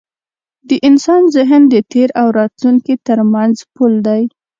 د انسان ذهن د تېر او راتلونکي تر منځ پُل دی.